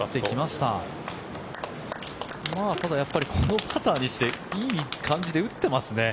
ただ、やっぱりこのパターにしていい感じで打っていますね。